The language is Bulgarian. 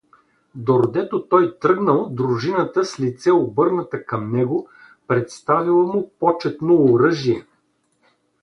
Дордето той тръгнал, дружината, с лице обърната към него, представила му почетно оръжие.